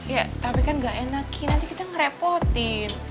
ya tapi kan gak enakin nanti kita ngerepotin